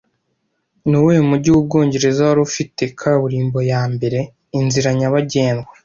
Nuwuhe mujyi w’Ubwongereza wari ufite kaburimbo ya mbere (inzira nyabagendwa)